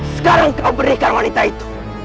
sekarang kau berikan wanita itu